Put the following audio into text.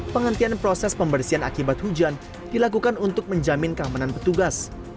penghentian proses pembersihan akibat hujan dilakukan untuk menjamin keamanan petugas